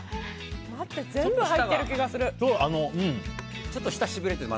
待って、全部入ってる気がする。